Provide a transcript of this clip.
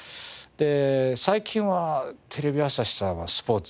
最近はテレビ朝日さんはスポーツ当ててますよね。